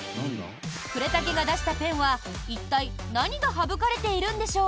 呉竹が出したペンは、一体何が省かれているんでしょう？